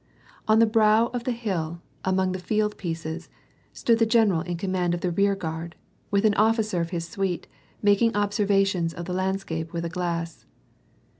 On the brow of the hill, among the field pieces, stood the general in command of the rearguard, with an officer of his saite, making observations of the landscape with a glass.